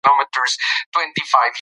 خلک د سرطان په اړه خبرتیا ته اړتیا لري.